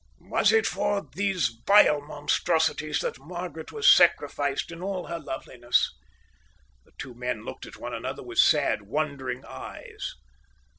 "Was it for these vile monstrosities that Margaret was sacrificed in all her loveliness?" The two men looked at one another with sad, wondering eyes.